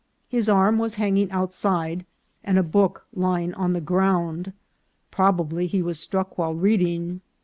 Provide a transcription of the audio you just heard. His arm was hanging outside, and a book lying on the ground ; probably he was struck while reading.